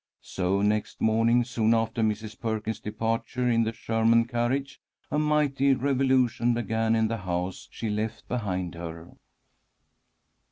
So next morning, soon after Mrs. Perkins's departure in the Sherman carriage, a mighty revolution began in the house she left behind her.